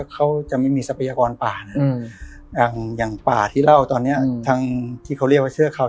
เขาจะไม่มีทรัพยากรป่านะอย่างป่าที่เล่าตอนเนี้ยทางที่เขาเรียกว่าเชือกเขา